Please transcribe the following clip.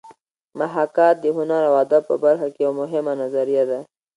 محاکات د هنر او ادب په برخه کې یوه مهمه نظریه ده